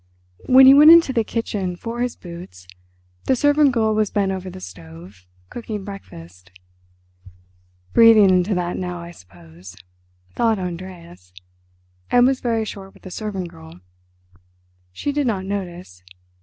When he went into the kitchen for his boots, the servant girl was bent over the stove, cooking breakfast. "Breathing into that, now, I suppose," thought Andreas, and was very short with the servant girl. She did not notice.